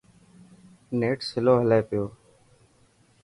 نيٽ سلو هلي پيو.